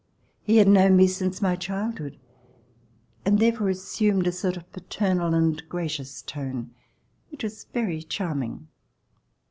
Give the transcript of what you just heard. He had known me since my childhood, and therefore assumed a sort of paternal and gracious tone which was very charming.